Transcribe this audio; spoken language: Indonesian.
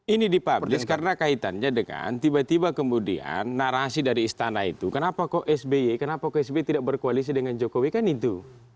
ini dipublis karena kaitannya dengan tiba tiba kemudian narasi dari istana itu kenapa kok sby kenapa kok sby tidak berkoalisi dengan jokowi kan itu